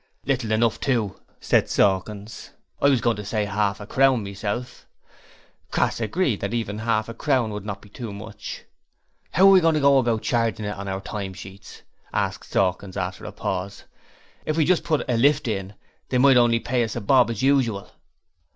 'Little enough too,' said Sawkins. 'I was going to say arf a crown, myself.' Crass agreed that even half a crown would not be too much. ''Ow are we going' on about chargin' it on our time sheets?' asked Sawkins, after a pause. 'If we just put a "lift in", they might only pay us a bob as usual.'